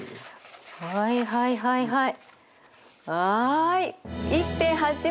はいはいはいはいはい。